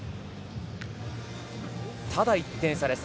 ただ、１点差です。